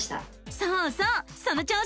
そうそうその調子！